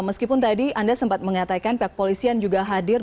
meskipun tadi anda sempat mengatakan pihak polisian juga hadir